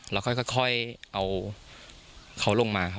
แล้วก็ค่อยเอาเขาลงมา